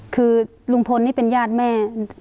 คือลุงพลนี่เป็นญาติแม่